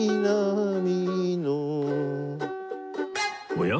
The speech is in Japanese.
おや？